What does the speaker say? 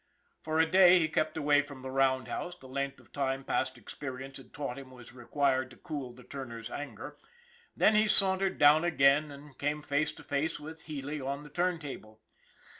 For a day he kept away from the roundhouse, the length of time past experience had taught him was required to cool the turner's anger; then he sauntered down again and came face to face with Healy on the turntable.